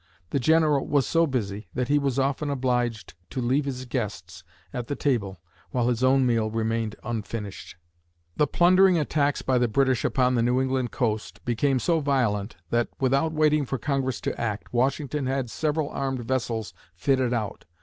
The General was so busy that he was often obliged to leave his guests at the table, while his own meal remained unfinished. The plundering attacks by the British upon the New England coast became so violent that, without waiting for Congress to act, Washington had several armed vessels fitted out.